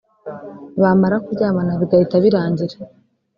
bamara kuryamana bigahita birangira